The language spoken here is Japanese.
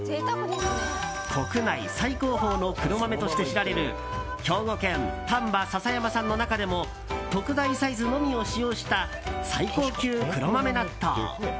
国内最高峰の黒豆として知られる兵庫県丹波篠山産の中でも特大サイズのみを使用した最高級黒豆納豆。